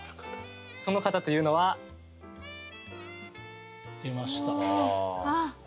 その方というのは。出ました。